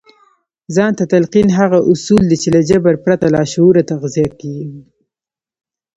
ځان ته تلقين هغه اصل دی چې له جبر پرته لاشعور تغذيه کوي.